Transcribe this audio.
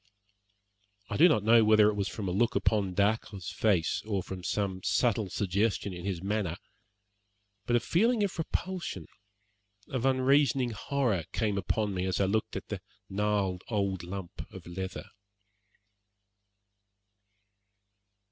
I do not know whether it was from a look upon Dacre's face, or from some subtle suggestion in his manner, but a feeling of repulsion, of unreasoning horror, came upon me as I looked at the gnarled old lump of leather.